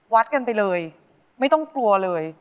วัดกันไปเลยไม่ต้องกลัวเลย